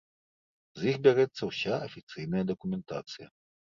З іх бярэцца ўся афіцыйная дакументацыя.